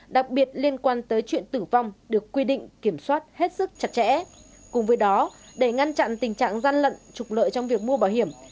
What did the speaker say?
đặc biệt liên quan tới chuyện tử vong được quy định kiểm soát hết sức chặt chẽ cùng với đó để ngăn chặn tình trạng gian lận trục lợi trong việc mua bảo hiểm